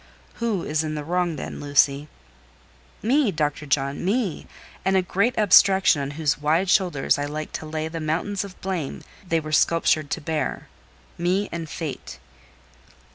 "Who is in the wrong, then, Lucy?" "Me—Dr. John—me; and a great abstraction on whose wide shoulders I like to lay the mountains of blame they were sculptured to bear: me and Fate."